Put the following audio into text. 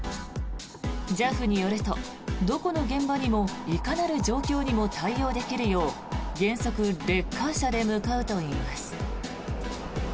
ＪＡＦによると、どこの現場にもいかなる状況にも対応できるよう原則、レッカー車で向かうといいます。